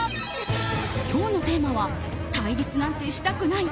今日のテーマは対立なんてしたくない！